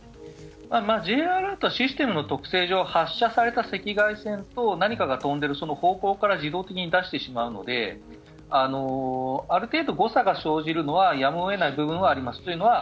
Ｊアラートシステムの特性上何かが飛んでいる方向から自動的に出してしまうのである程度、誤差が生じるのはやむを得ない部分はあると思います。